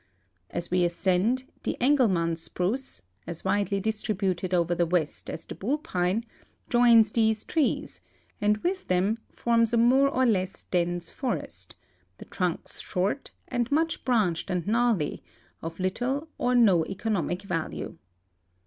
As we ascend, the Engelmann spruce, as widely distributed over the w^est as the bull pine, joins these trees and with them forms a more or less dense forest, the trunks short and much branched and gnarly, of little or no eco nomic value.